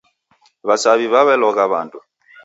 W'asaw'i w'aw'elogha w'andu.